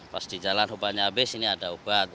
pas di jalan obatnya habis ini ada obat